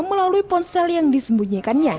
melalui ponsel yang disembunyikannya